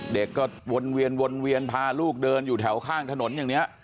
เด็กก็วนเวียนวนเวียนพาลูกเดินอยู่แถวข้างถนนอย่างนี้